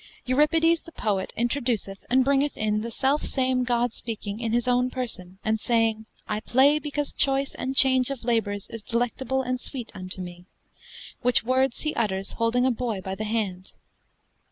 Euripides the poet introduceth, and bringeth in, the selfe same god speaking in his owne person, and saying, "I play because choyce and chaunge of labors is delectable and sweete unto me," whiche wordes he uttered holdinge a boy by the hande.